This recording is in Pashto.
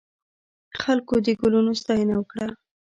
خلکو د ګلونو ستاینه وکړه.